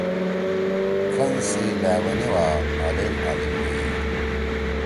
کھن سی لأوینا وا آلیل آلیل وئی۔